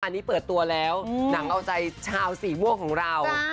อันนี้เปิดตัวแล้วหนังเอาใจชาวสีม่วงของเรา